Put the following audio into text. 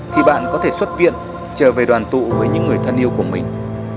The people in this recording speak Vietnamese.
thì bạn có thể xuất viện trở về đoàn tụ với những người thân yêu của mình